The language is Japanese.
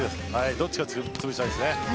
どっちかつぶしたいですね。